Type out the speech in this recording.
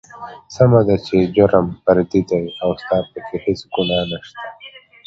سمه ده چې جرم فردي دى او ستا پکې هېڅ ګنا نشته.